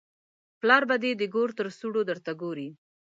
پلار به دې د ګور تر سوړو درته ګوري.